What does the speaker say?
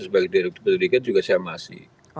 sebagai direktur pendidikan juga saya amasi